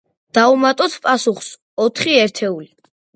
დავუმატოთ პასუხს ოთხი ერთეული.